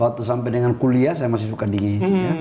waktu sampai dengan kuliah saya masih suka dingin